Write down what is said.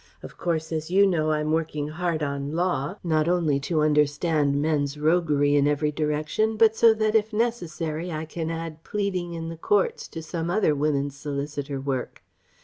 Of course as you know I am working hard on law ... not only to understand men's roguery in every direction, but so that if necessary I can add pleading in the courts to some other woman's solicitor work.